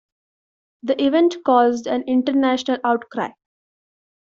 The event caused an international outcry.